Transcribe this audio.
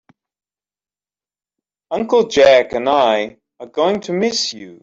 Uncle Jack and I are going to miss you.